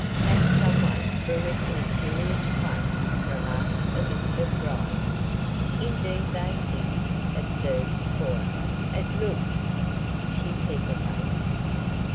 "That some one threw it in a curious place," remarked Elizabeth dryly. "Indeed, they did," observed Cora. "It looks " She hesitated.